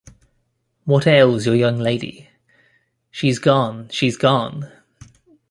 ‘What ails your young lady?’ ‘She’s gone, she’s gone!